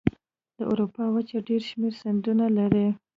د اروپا وچه ډېر شمیر سیندونه لري.